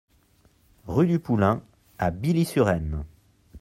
Rue du Poulain à Billy-sur-Aisne